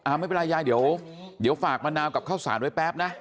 อ้าวไม่เป็นไรยายเดี๋ยวเดี๋ยวฝากมะนาวกับข้าวสารโดยแป๊บนะ